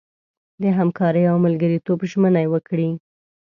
د همکارۍ او ملګرتوب ژمنه وکړي.